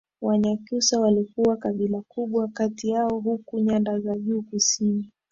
Wanyakyusa walikuwa kabila kubwa kati yao huko nyanda za juu kusini